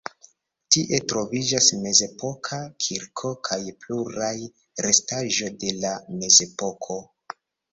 Tie troviĝas mezepoka kirko kaj pluraj restaĵo de la mezepoko.